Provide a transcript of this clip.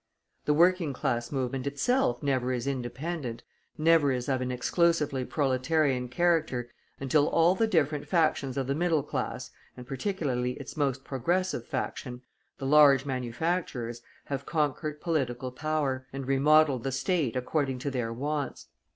The working class movement itself never is independent, never is of an exclusively proletarian character until all the different factions of the middle class, and particularly its most progressive faction, the large manufacturers, have conquered political power, and remodelled the State according to their wants.